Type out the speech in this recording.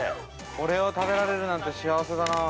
◆これを食べられるなんて幸せだなあ。